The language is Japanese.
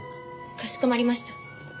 かしこまりました。